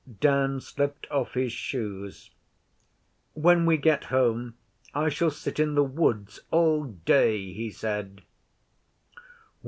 Dan slipped off his shoes. 'When we get home I shall sit in the woods all day,' he said.